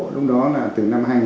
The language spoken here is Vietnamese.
lúc đó là từ năm hai nghìn bốn